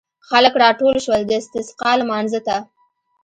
خلک راټول شول د استسقا لمانځه ته.